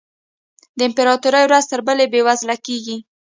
د امپراتوري ورځ تر بلې بېوزله کېږي.